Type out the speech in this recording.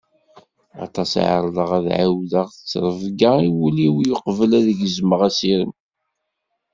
Aṭas i ɛerḍeɣ ad ɛiwdeɣ ttrebga i wul-iw uqbel ad gezmeɣ asirem.